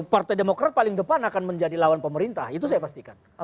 partai demokrat paling depan akan menjadi lawan pemerintah itu saya pastikan